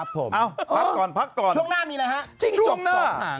ช่วงหน้ามีอะไรฮะ